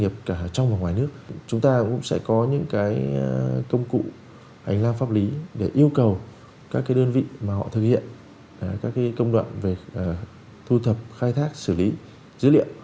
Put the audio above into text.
được cả trong và ngoài nước chúng ta cũng sẽ có những công cụ hành lang pháp lý để yêu cầu các đơn vị mà họ thực hiện các công đoạn về thu thập khai thác xử lý dữ liệu